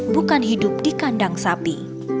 bukan hidup di kandang sapi